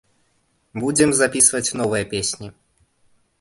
Будзем запісваць новыя песні.